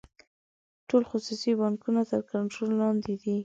ټول خصوصي بانکونه تر کنټرول لاندې دي.